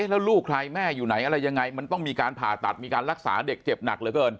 แล้วลูกใครแม่อยู่ไหนอะไรยังไงมันต้องมีการผ่าตัดมีการรักษาเด็กเจ็บหนักเหลือเกิน